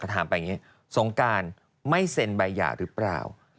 ถามไปอย่างนี้สงการไม่เซ็นใบหย่าหรือเปล่า